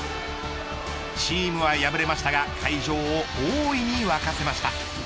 チームは敗れましたが会場を大いに沸かせました。